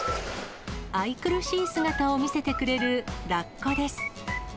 愛くるしい姿を見せてくれるラッコです。